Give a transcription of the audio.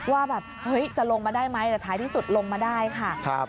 ว่าแบบเฮ้ยจะลงมาได้ไหมแต่ท้ายที่สุดลงมาได้ค่ะ